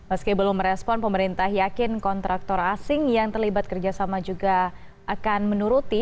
meski belum merespon pemerintah yakin kontraktor asing yang terlibat kerjasama juga akan menuruti